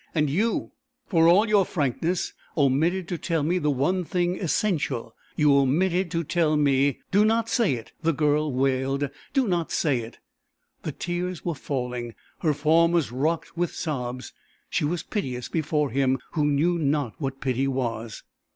And you, for all your frankness, omitted to tell me the one thing essential: you omitted to tell me " "Do not say it," the girl wailed; "do not say it." The tears were falling, her form was rocked with sobs. She was piteous before him who knew not what pity was.